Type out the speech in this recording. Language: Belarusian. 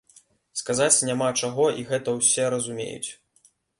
Сказаць няма чаго і гэта ўсе разумеюць.